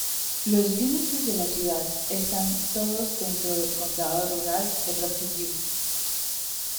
Los límites de la ciudad están todos dentro del condado rural de Rocky View.